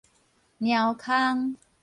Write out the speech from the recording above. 貓空